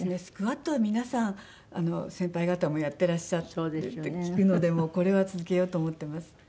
スクワットは皆さん先輩方もやっていらっしゃるって聞くのでこれは続けようと思ってます。